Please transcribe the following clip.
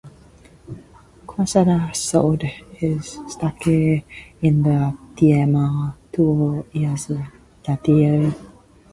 Quesada sold his stake in the team two years later.